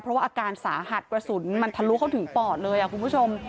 เพราะว่าอาการสาหัสกระสุนมันทะลุเข้าถึงปอดเลยคุณผู้ชม